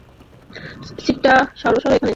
সিটকা, সরো এখান থেকে।